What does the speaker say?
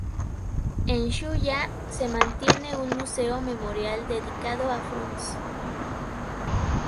En Shuya se mantiene un museo memorial dedicado a Frunze.